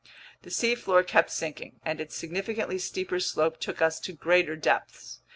The seafloor kept sinking, and its significantly steeper slope took us to greater depths.